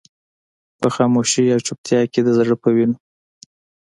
په خاموشۍ او چوپتيا کې د زړه په وينو.